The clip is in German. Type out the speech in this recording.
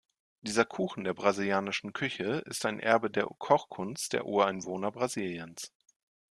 Dieser Kuchen der brasilianischen Küche ist ein Erbe der Kochkunst der Ureinwohner Brasiliens.